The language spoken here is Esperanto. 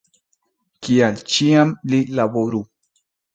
Kial ĉiam li laboru!